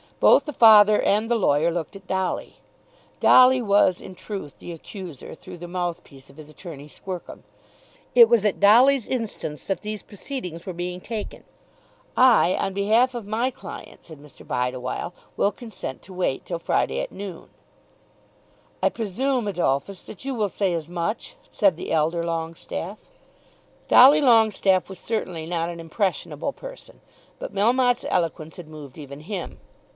Both the father and the lawyer looked at Dolly. Dolly was in truth the accuser through the mouthpiece of his attorney Squercum. It was at Dolly's instance that these proceedings were being taken. "I, on behalf of my client," said Mr. Bideawhile, "will consent to wait till Friday at noon." "I presume, Adolphus, that you will say as much," said the elder Longestaffe. Dolly Longestaffe was certainly not an impressionable person, but Melmotte's eloquence had moved even him.